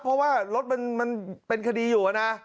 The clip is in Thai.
เพราะว่ารถมันเป็นคดีอยู่นะ